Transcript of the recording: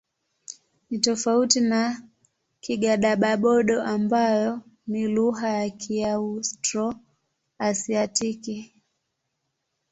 Ni tofauti na Kigadaba-Bodo ambayo ni lugha ya Kiaustro-Asiatiki.